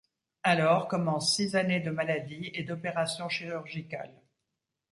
Alors commence six années de maladie et d'opérations chirurgicales.